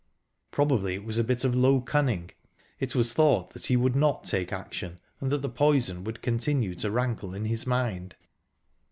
Probably it was a bit of low cunning. It was thought that he would not take action, and that the poison would continue to rankle in his mind...